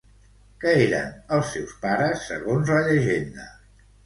Què eren els seus pares, segons la llegenda?